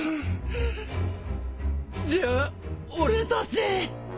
じゃあ俺たち。